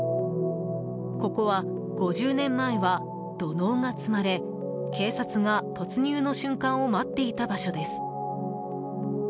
ここは、５０年前は土のうが積まれ警察が突入の瞬間を待っていた場所です。